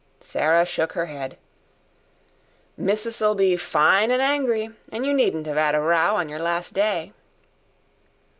Sarah shook her head. "Missis'll be fine an' angry. An' you needn't 'ave 'ad a row on your last day."